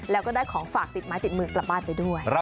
แล้วก็ได้ของฝากติดไม้ติดมือกลับบ้านไปด้วย